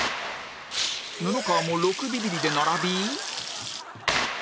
布川も６ビビリで並び